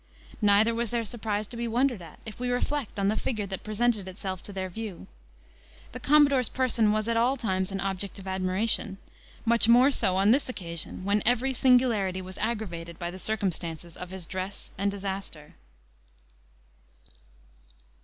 Neither was their surprise to be wondered at, if we reflect on the figure that presented itself to their view. The commodore's person was at all times an object of admiration; much more so on this occasion, when every singularity was aggravated by the circumstances of his dress and disaster.